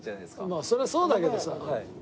まあそれはそうだけどさ。